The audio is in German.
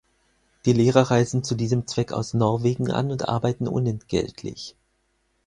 Die Lehrer reisen zu diesem Zweck aus Norwegen an und arbeiten unentgeltlich.